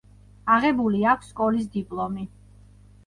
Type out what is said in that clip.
აღებული აქვს სკოლის დიპლომი.